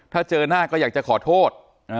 ถ้าเจอหน้าก็อยากจะขอโทษ